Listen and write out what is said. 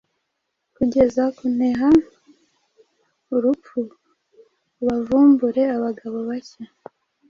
Kugeza Kuneha Urupfu ubavumbure abagabo bake